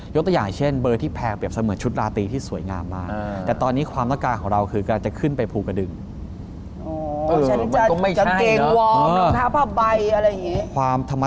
สู้กับชุดเสื้อสบายและเท้าผ้าใบไม่ได้ถูกปะครับ